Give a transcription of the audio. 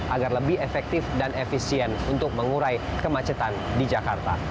agar lebih efektif dan efisien untuk mengurai kemacetan di jakarta